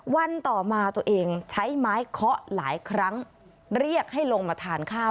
วันต่อมาตัวเองใช้ไม้เคาะหลายครั้งเรียกให้ลงมาทานข้าว